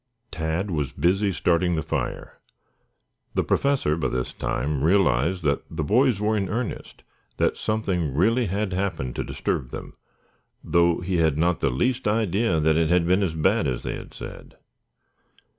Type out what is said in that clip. Tad was busy starting the fire. The Professor, by this time, realized that the boys were in earnest; that something really had happened to disturb them, though he had not the least idea that it had been as bad as they said.